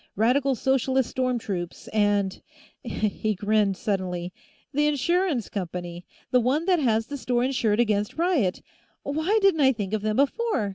"Radical Socialist storm troops, and " He grinned suddenly. "The insurance company; the one that has the store insured against riot! Why didn't I think of them before?